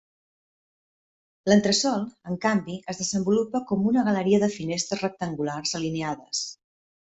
L'entresòl, en canvi, es desenvolupa com una galeria de finestres rectangulars alineades.